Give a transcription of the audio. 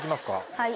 はい。